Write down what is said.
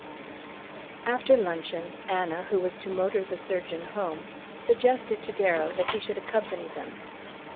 After luncheon Anna, who was to motor the surgeon home, suggested to Darrow that he should accompany them.